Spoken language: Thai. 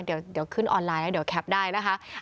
เดี๋ยวขึ้นออนไลน์แล้วเดี๋ยวแคปได้นะคะ